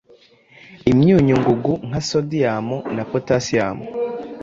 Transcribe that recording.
imyunyungugu nka sodium na potassium,